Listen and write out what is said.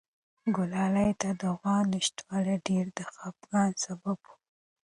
ګلالۍ ته د غوا نشتوالی ډېر د خپګان سبب و.